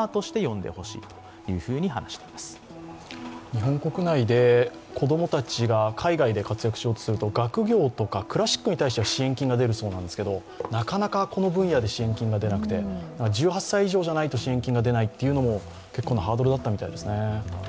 日本国内で子供たちが海外で活躍しようとすると、学業とかクラシックに対しては支援金が出るそうなんですが、なかなかこの分野で支援金が出なくて１８歳以上じゃないと支援金が出ないというのも結構なハードルだったみたいですね。